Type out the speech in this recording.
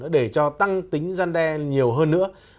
để cho tăng tính gian đe nhiều hơn nữa